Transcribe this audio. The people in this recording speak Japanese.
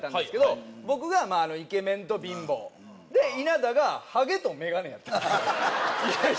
はい僕がまああのイケメンと貧乏で稲田がハゲとメガネやったんですよ